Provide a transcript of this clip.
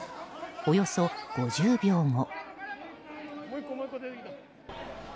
およそ５０秒後。